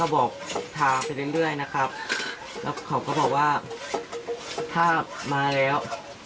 แล้วก็บอกทางไปเรื่อยเรื่อยนะครับแล้วเขาก็บอกว่าถ้ามาแล้ว